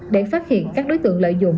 để phát hiện các đối tượng lợi dụng